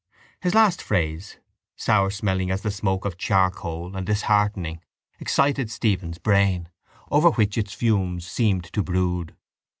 His last phrase, sour smelling as the smoke of charcoal and disheartening, excited Stephen's brain, over which its fumes seemed to brood.